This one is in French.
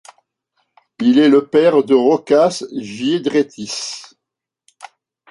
Il est le père de Rokas Giedraitis.